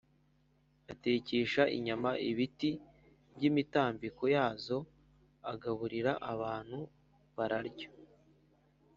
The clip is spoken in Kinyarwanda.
atekesha inyama ibiti by’imitambiko yazo, agaburira abantu bararya